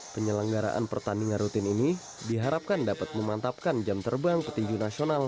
penyelenggaraan pertandingan rutin ini diharapkan dapat memantapkan jam terbang petinju nasional